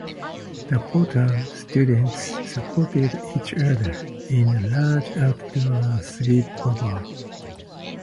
The Porter students supported each other in a large outdoor sleepover.